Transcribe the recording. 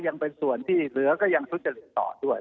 ยังเป็นส่วนที่เหลือก็ยังทุจริตต่อด้วย